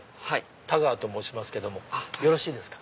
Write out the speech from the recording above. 太川と申しますよろしいですか？